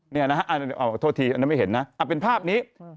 นี่นะฮะโทษทีอันนั้นไม่เห็นนะเป็นภาพนี้